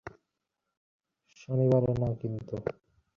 শনিবারে না কিন্তু।